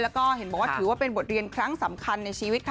แล้วก็เห็นบอกว่าถือว่าเป็นบทเรียนครั้งสำคัญในชีวิตค่ะ